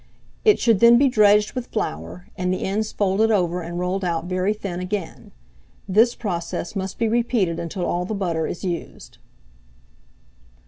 It should then be dredged with flour, and the ends folded over and rolled out very thin again: this process must be repeated until all the butter is used.